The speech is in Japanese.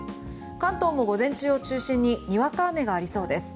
関東も午前中を中心ににわか雨がありそうです。